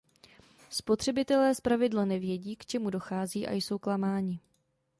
Spotřebitelé zpravidla nevědí, k čemu dochází, a jsou klamáni.